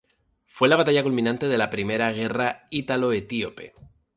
Fue la batalla culminante de la primera guerra ítalo-etíope.